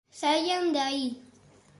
Saian de aí.